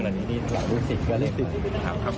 ยังไม่ได้ประวดกล้าวเลยครับ